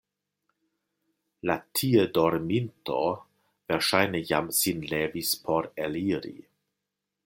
La tie dorminto verŝajne jam sin levis por eliri.